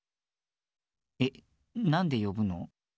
えなんでよぶの？